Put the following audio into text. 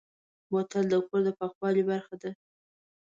بوتل د کور د پاکوالي برخه ده.